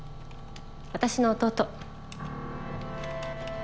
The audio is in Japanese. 私の弟。